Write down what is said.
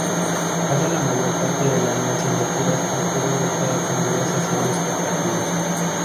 Pasa la mayor parte del año haciendo giras por todo Estados Unidos haciendo espectáculos.